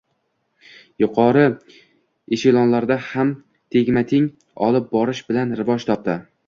yuqori eshelonlarda ham tengma-teng olib borish bilan rivoj topdi.